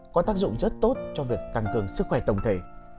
có tác dụng rất tốt cho việc tăng cường sức khỏe tổng thể